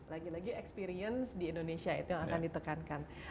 lagi lagi experience di indonesia itu yang akan ditekankan